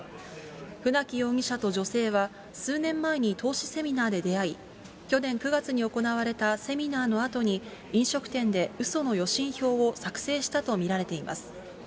船木容疑者と女性は数年前に投資セミナーで出会い、去年９月に行われたセミナーのあとに、飲食店でうその予診票を作成したと見られています。